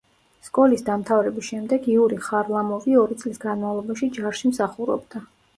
სკოლის დამთავრების შემდეგ იური ხარლამოვი ორი წლის განმავლობაში ჯარში მსახურობდა.